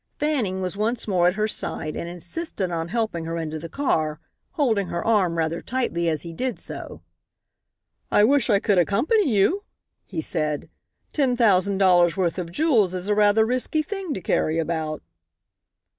Fanning was once more at her side and insisted on helping her into the car, holding her arm rather tightly as he did so. "I wish I could accompany you," he said. "Ten thousand dollars' worth of jewels is a rather risky thing to carry about."